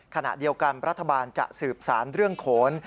ขณะเดียวกันรัฐบาลจะสืบสารเรื่องโขน